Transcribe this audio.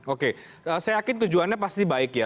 oke saya yakin tujuannya pasti baik ya